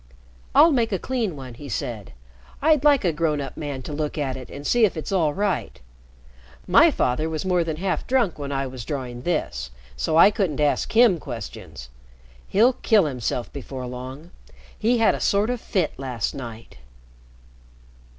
"I'll make a clean one," he said. "I'd like a grown up man to look at it and see if it's all right. My father was more than half drunk when I was drawing this, so I couldn't ask him questions. He'll kill himself before long. He had a sort of fit last night."